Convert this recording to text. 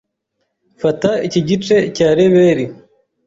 Fata iki gice cya reberi.